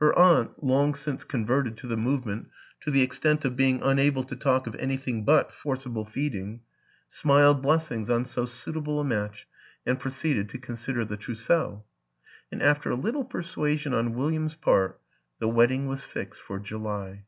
Her aunt, long since converted to the Movement (to the extent of be ing unable to talk of anything but forcible feed ing) , smiled blessings on so suitable a match and proceeded to consider the trousseau; and after a little persuasion on William's part the wedding was fixed for July.